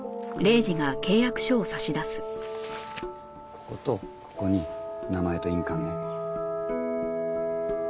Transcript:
こことここに名前と印鑑ね。